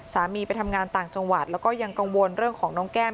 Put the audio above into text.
ไปทำงานต่างจังหวัดแล้วก็ยังกังวลเรื่องของน้องแก้ม